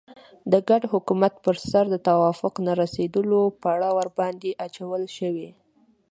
د ګډ حکومت پر سر د توافق نه رسېدلو پړه ورباندې اچول شوې.